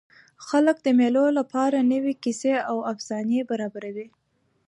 خلک د مېلو له پاره نوي کیسې او افسانې برابروي.